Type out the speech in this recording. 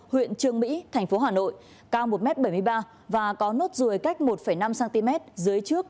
huyện trường mỹ tp hà nội cao một m bảy mươi ba và có nốt ruồi cách một năm cm dưới trước